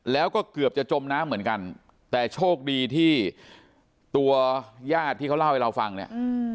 แล้วก็เกือบจะจมน้ำเหมือนกันแต่โชคดีที่ตัวญาติที่เขาเล่าให้เราฟังเนี่ย